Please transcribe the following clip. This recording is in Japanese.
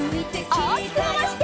おおきくまわして。